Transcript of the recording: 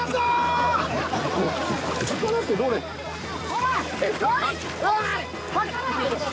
ほら！